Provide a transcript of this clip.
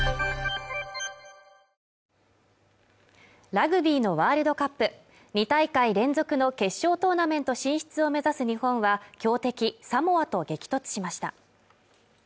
ラグビーのワールドカップ２大会連続の決勝トーナメント進出を目指す日本は強敵サモアと激突しました